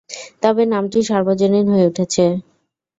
তবে নামটি সার্বজনীন হয়ে উঠেছে।